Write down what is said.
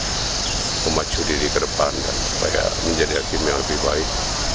dan memacu diri ke depan supaya menjadi hakim yang lebih baik